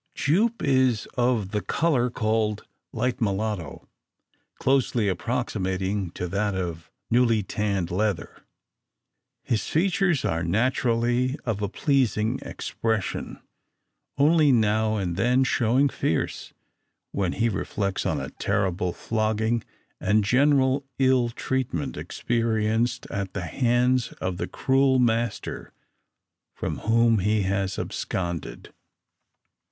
"Jupe" is of the colour called "light mulatto," closely approximating to that of newly tanned leather. His features are naturally of a pleasing expression; only now and then showing fierce, when he reflects on a terrible flogging, and general ill treatment experienced, at the hands of the cruel master from whom he has absconded.